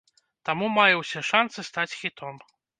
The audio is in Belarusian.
Таму мае ўсе шанцы стаць хітом!